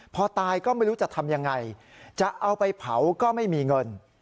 พอตายก็ไม่รู้จะทำยังไงจะเอาไปเผาก็ไม่มีเงิน